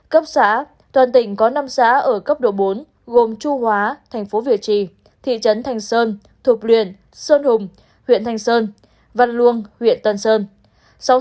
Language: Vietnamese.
cấp xã toàn tỉnh có năm xã ở cấp độ bốn gồm chu hóa thành phố việt trì thị trấn thành sơn thục luyện sơn hùng huyện thanh sơn văn luông huyện tân sơn